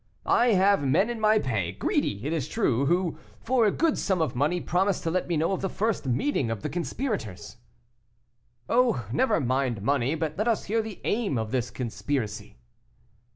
"I have men in my pay, greedy, it is true, who, for a good sum of money, promised to let me know of the first meeting of the conspirators." "Oh! never mind money, but let us hear the aim of this conspiracy."